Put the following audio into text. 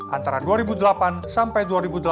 antara dua ribu delapan sampai dua ribu delapan belas